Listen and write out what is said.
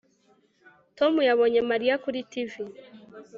tom yabonye mariya kuri tv